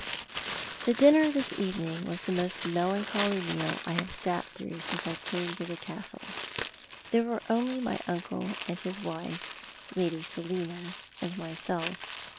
The dinner this evening was the most melancholy meal I have sat through since I came to the castle. There were only my uncle and his wife, Lady Selina and myself.